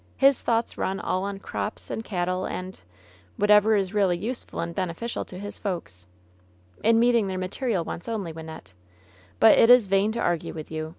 His thoughts run all on crops and cattle and " "Whatever is really useful and beneficial to his folks/' "In meeting their material wants only, Wynnette. But it is vain to argue with you.